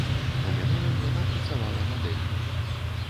У мінулым яна працавала мадэллю.